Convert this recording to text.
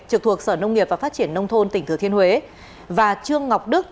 trực thuộc sở nông nghiệp và phát triển nông thôn tỉnh thừa thiên huế và trương ngọc đức